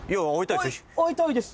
会いたいです